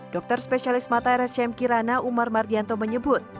dokter spesialis mata rscm kirana umar mardianto menyebut